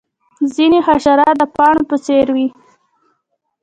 ځینې حشرات د پاڼو په څیر وي